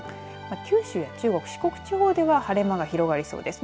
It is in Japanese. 九州や中国、四国地方では晴れ間が広がりそうです。